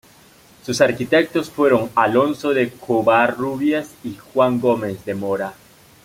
Sus arquitectos fueron Alonso de Covarrubias y Juan Gómez de Mora.